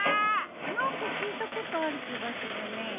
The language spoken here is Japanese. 何か聞いたことある気がするね。